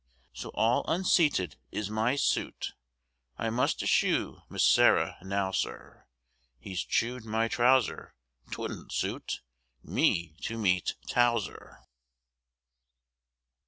So all unseated is my suit; I must eschew Miss Sarah now, sir; He's chewed my trouser; 'twouldn't suit Me to meet Towser.